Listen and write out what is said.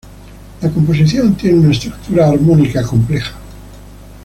La composición tiene una estructura armónica compleja.